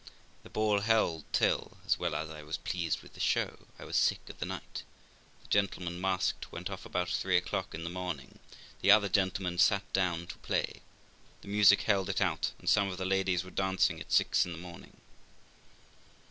The ball held till (as well as I was pleased with the show) I was sick of the night ; the gentlemen masked went off about three o'clock in the morning, the other gentlemen sat down to play ; the music held it out, and some of the ladies were dancing at six in the morning.